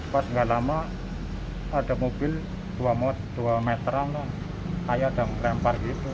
pas nggak lama ada mobil dua meteran kayak ada lempar gitu